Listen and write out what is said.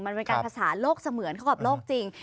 มันเป็นการภาษาโลกเสมือนเข้ากับโลกจริง